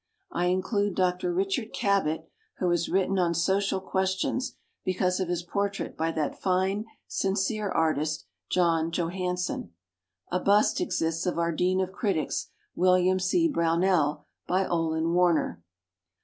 I include Dr. Richard Cabot who has written on social questions, because of his portrait by that fine, sincere artist John Johansen. A bust ex ists of our dean of critics, William C. Brownell, by Olin Warner.